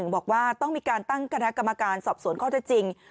บอกว่าต้องมีการตั้งคณะกรรมการสอบสวนข้อเท็จจริง